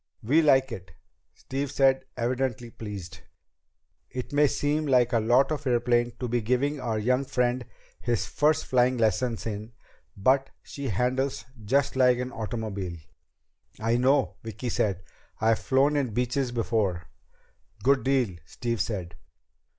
"We like it," Steve said, evidently pleased. "It may seem like a lot of airplane to be giving our young friend his first flying lessons in, but she handles just like an automobile." "I know," Vicki said. "I've flown in Beeches before." "Good deal," Steve said.